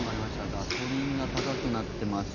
ガソリンが高くなってます。